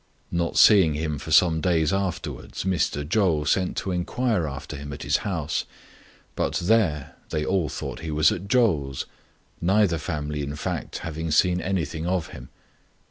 Not seeing him for some days afterwards, Mr. Chou sent to inquire about him at his house ; but there they all thought he was at Chou's, neither family, in fact, having seen anything of him.